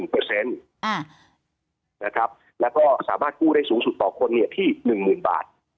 ๐๑เปอร์เซ็นต์และสามารถกู้ได้สูงสุดต่อคนที่๑๐๐๐๐บาท